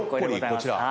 こちら。